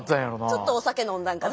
ちょっとお酒飲んだんかな。